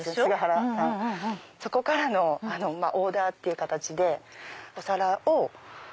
そこからのオーダーっていう形でお皿を。